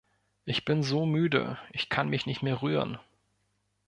Ich bin so müde, ich kann mich nicht mehr rühren!